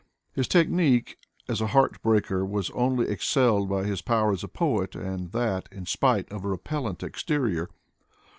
'' His technique as a heart breaker was only excelled by his power as a poet, and that, in spite of a repellent exterior.